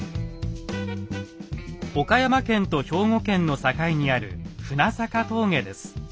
岡山県と兵庫県の境にある船坂峠です。